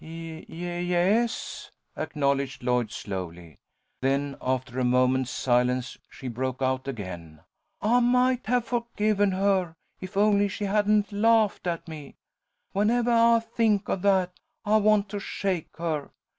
"Y yes," acknowledged Lloyd, slowly. Then, after a moment's silence, she broke out again. "I might have forgiven her if only she hadn't laughed at me. Whenevah I think of that I want to shake her.